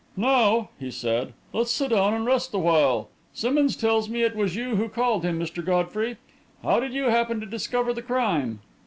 "Now," he said, "let's sit down and rest awhile. Simmonds tells me it was you who called him, Mr. Godfrey. How did you happen to discover the crime?"